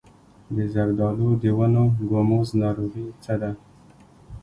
د زردالو د ونو ګوموز ناروغي څه ده؟